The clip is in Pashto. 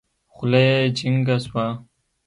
خوله يې جينګه سوه.